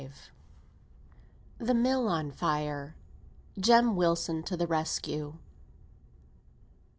THE MILL ON FIRE JEM WILSON TO THE RESCUE.